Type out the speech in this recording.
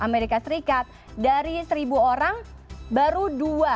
amerika serikat dari seribu orang baru dua